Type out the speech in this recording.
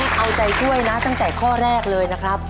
เอาใจช่วยนะตั้งแต่ข้อแรกเลยนะครับ